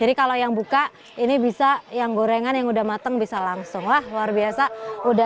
jadi kalau yang buka ini bisa yang gorengan yang udah mateng bisa langsung wah luar biasa